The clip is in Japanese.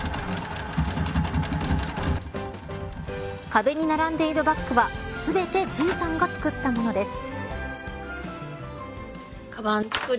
壁に並んでいるバックは全てＧ３が作ったものです。